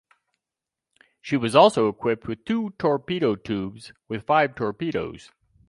She was also equipped with two torpedo tubes with five torpedoes.